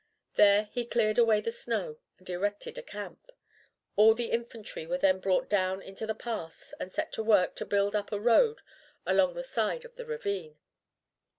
There he cleared away the snow and erected a camp; all the infantry were then brought down into the pass and set to work to build up a road along the side of the ravine.